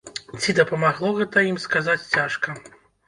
Ці дапамагло гэта ім, сказаць цяжка.